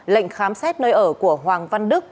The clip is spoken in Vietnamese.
lệnh khám xét nơi ở của hoàng văn đức